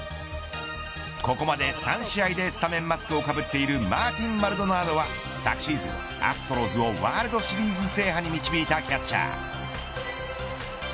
ここまで３試合でスタメンマスクをかぶっているマーティン・マルドナードは昨シーズン、アストロズをワールドシリーズ制覇に導いたキャッチャー。